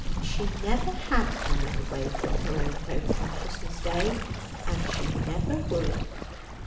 She never had dined away from her own house on Christmas Day, and she never would.